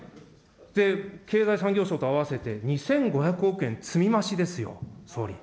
経済産業省と合わせて２５００億円積み増しですよ、総理。